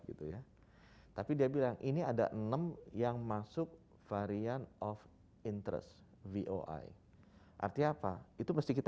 gitu ya tapi dia bilang ini ada enam yang masuk varian of interest voi artinya apa itu mesti kita